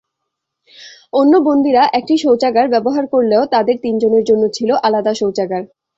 অন্য বন্দীরা একটি শৌচাগার ব্যবহার করলেও তাঁদের তিনজনের জন্য ছিল আলাদা শৌচাগার।